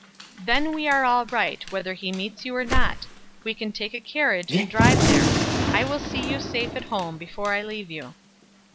"Then we are all right, whether he meets you or not; we can take a carriage and drive there. I will see you safe at home before I leave you."